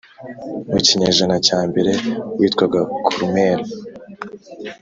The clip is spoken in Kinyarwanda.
mu kinyejana cya mbere witwaga Columella